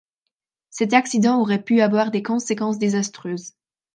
Cet accident aurait pu avoir des conséquences désastreuses.